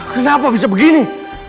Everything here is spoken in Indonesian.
kenapa bisa begini